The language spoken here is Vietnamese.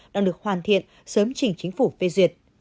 đang được hoàn thiện sớm chỉnh chính phủ phê duyệt